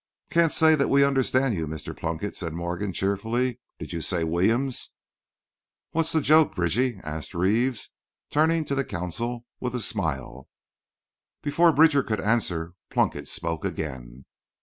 "Can't say that we understand you, Mr. Plunkett," said Morgan, cheerfully. "Did you say 'Williams'?" "What's the joke, Bridgy?" asked Reeves, turning, to the consul with a smile. Before Bridger could answer Plunkett spoke again.